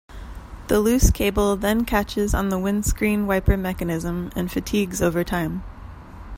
The loose cable then catches on the windscreen wiper mechanism and fatigues over time.